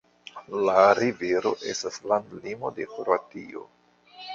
La rivero estas landlimo de Kroatio.